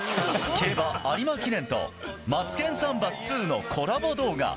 競馬・有馬記念と「マツケンサンバ２」のコラボ動画。